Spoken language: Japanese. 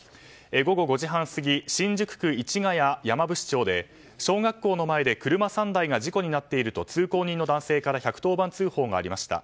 午後５時半過ぎ新宿区市谷山伏町で小学校の前で車３台が事故になっていると通行人の男性から１１０番通報がありました。